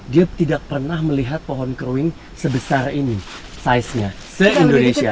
dia tidak pernah melihat pohon keruing sebesar ini saiznya se indonesia